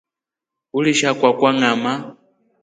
Ulisha kwakwa ngamaa.